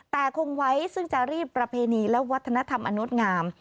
แต่คงไว้ซึ่งจารีดประเพณีและวัฒนธรรมอันงดงาม